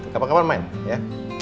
kapan kapan main ya